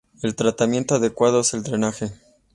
El tratamiento adecuado es el drenaje.